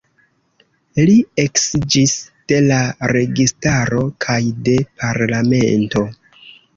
Li eksiĝis de la registaro kaj de parlamento.